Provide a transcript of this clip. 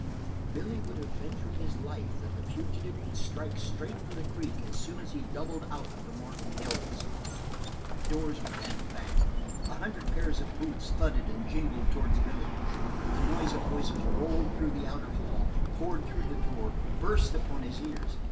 Billy would have ventured his life that the fugitive would strike straight for the Creek as soon as he doubled out of Morgan Hills. Doors began to bang; a hundred pairs of boots thudded and jingled towards Billy; the noise of voices rolled through the outer hall, poured through the door, burst upon his ears.